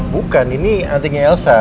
bukan ini antingnya elsa